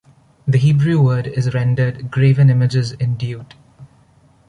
The Hebrew word is rendered "graven images" in Deut.